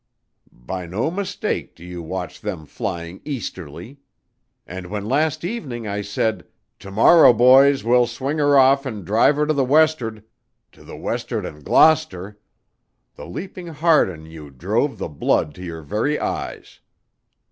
By no mistake do you watch them flying easterly. And when last evening I said, 'To morrow, boys, we'll swing her off and drive her to the west'ard to the west'ard and Gloucester!' the leaping heart in you drove the blood to your very eyes.